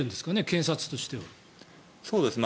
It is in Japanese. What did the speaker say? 検察としては。